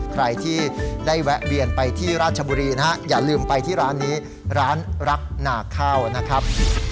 ใครที่ได้แวะเวียนไปที่ราชบุรีนะฮะอย่าลืมไปที่ร้านนี้ร้านรักหนาข้าวนะครับ